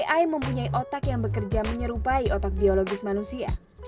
ai mempunyai otak yang bekerja menyerupai otak biologis manusia